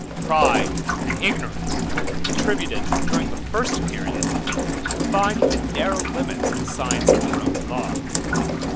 53 Pride and ignorance contributed, during the first period, to confine within narrow limits the science of the Roman law.